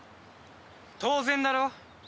当然だろ。